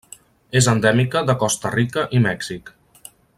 És endèmica de Costa Rica i Mèxic.